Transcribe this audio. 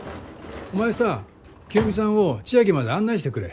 お前さ清美さんをちあきまで案内してくれ。